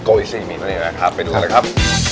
ไปดูเมียร์แหละครับ